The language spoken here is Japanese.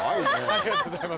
ありがとうございます。